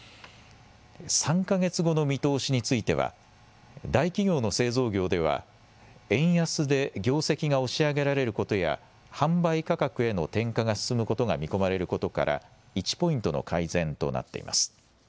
３か月後の見通しについては、大企業の製造業では、円安で業績が押し上げられることや、販売価格への転嫁が進むことが見込まれることから、１ポイントの改善となっています。